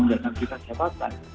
dengan nantinya jabatan